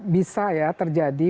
bisa ya terjadi